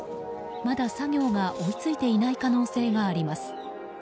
まだ作業が追い付いていない可能性があります。